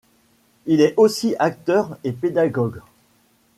Il est aussi acteur et pédagogue.